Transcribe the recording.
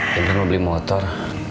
dan kan mau beli motor